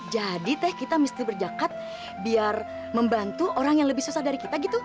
jadi teh kita mesti berzakat biar membantu orang yang lebih susah dari kita gitu